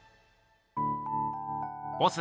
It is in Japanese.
ボス